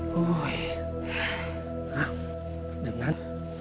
เดี๋ยวนั้น